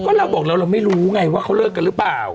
ก็เราบอกแล้วเราไม่รู้ไงว่าเขาเลิกกันหรือเปล่า